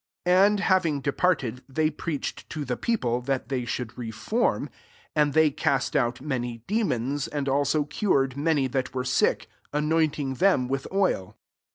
'* 1 having departed, they to the fiCi^Ue^ that tbe^r reform: 13 and they cast oat many demons, and also cured many that were sick, anointing them with oil.